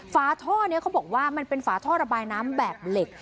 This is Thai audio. ฝาท่อนี้เขาบอกว่ามันเป็นฝาท่อระบายน้ำแบบเหล็ก